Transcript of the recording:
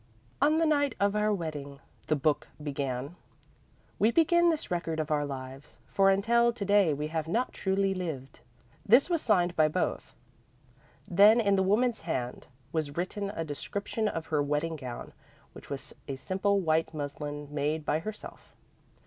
"On the night of our wedding," the book began, "we begin this record of our lives, for until to day we have not truly lived." This was signed by both. Then, in the woman's hand, was written a description of her wedding gown, which was a simple white muslin, made by herself.